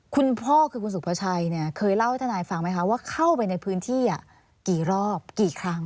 คุณพ่อคือคุณสุภาชัยเนี่ยเคยเล่าให้ทนายฟังไหมคะว่าเข้าไปในพื้นที่กี่รอบกี่ครั้ง